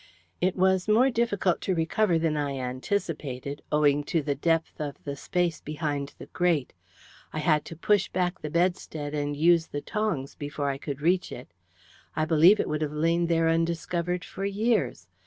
It was more difficult to recover than I anticipated, owing to the depth of the space behind the grate. I had to push back the bedstead and use the tongs before I could reach it. I believe it would have lain there undiscovered for years.